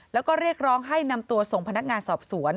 แล้วก็เรียกร้องให้นำตัวส่งพนักงานสอบสวน